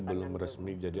belum resmi jadi